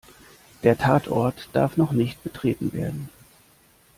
Der Tatort darf noch nicht betreten werden.